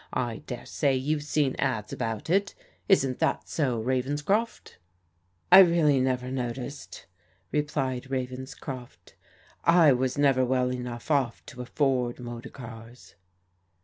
I dare say you've seen ads about it. Isn't that so. Ravens croft?" " I really never noticed," replied Ravenscroft. " I was never well enough off to afford motor cars."